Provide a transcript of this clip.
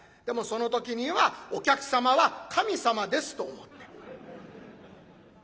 でもその時には「お客様は神様です」と思って。